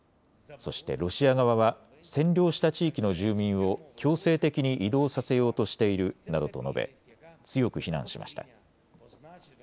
そしてロシア側は占領した地域の住民を強制的に移動させようとしているなどと述べ、強く非難しました。